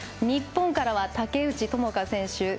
日本からは竹内智香選手